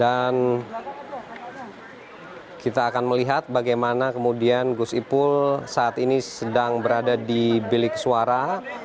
dan kita akan melihat bagaimana kemudian gus ipul saat ini sedang berada di bilik suara